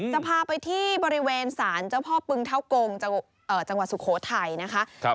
จะพาไปที่บริเวณศาลเจ้าพ่อปึงเท่ากงจังหวัดสุโขทัยนะคะ